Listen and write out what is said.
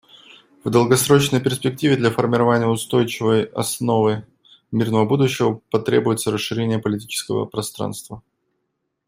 В долгосрочной перспективе для формирования устойчивой основы мирного будущего потребуется расширение политического пространства.